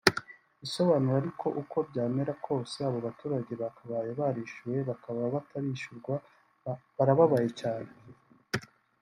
Ibisobanuro ariko uko byamera kose abo baturage bakabaye barishyuwe bakaba batarishyurwa barababaye cyane